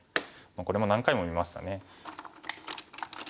これも何回も見ましたね。